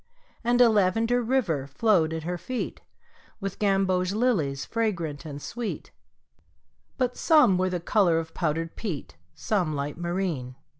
And a lavender river flowed at her feet With gamboge lilies fragrant and sweet, But some were the color of powdered peat, Some light marine.